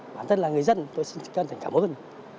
bản thân là người dân tôi xin chân thành cảm ơn